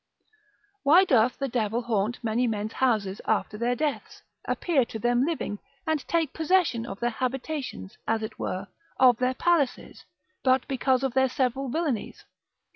Why doth the devil haunt many men's houses after their deaths, appear to them living, and take possession of their habitations, as it were, of their palaces, but because of their several villainies?